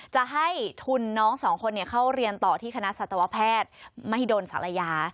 จะให้ทุนน้องสองคนเข้าเรียนต่อที่คณะสัตวแพทย์มหิดลศาลายา